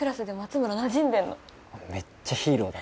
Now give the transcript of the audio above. めっちゃヒーローだ。